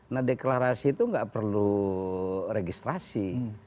nah deklarasi itu nggak perlu registrasi